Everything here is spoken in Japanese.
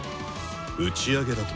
打ち上げだと？